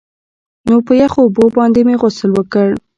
نو په يخو اوبو باندې مې غسل وکړ.